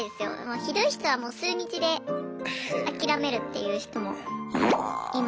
ひどい人はもう数日で諦めるっていう人もいます。